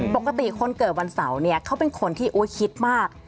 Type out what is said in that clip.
ปกติคนเกิบวันเสาร์เขาเป็นคนที่คิดมาก